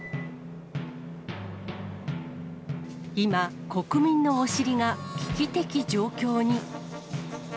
今、国民のお尻が危機的状況に。